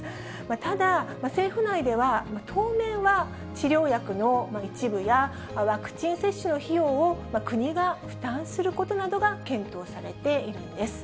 ただ、政府内では、当面は治療薬の一部や、ワクチン接種の費用を国が負担することなどが検討されているんです。